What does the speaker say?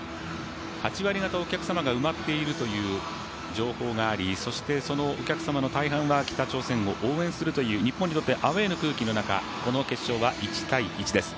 ８割方、お客様が埋まっているという情報があり、そしてそのお客様の大半は北朝鮮を応援するという、日本にとってアウェーの空気の中、１−１です。